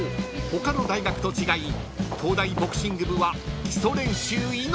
他の大学と違い東大ボクシング部は基礎練習命］